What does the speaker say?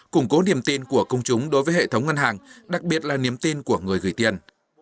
củng cố niềm tin của công chúng đối với hệ thống ngân hàng đặc biệt là niềm tin của người gửi tiền